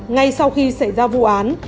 ngay sau khi xảy ra vụ án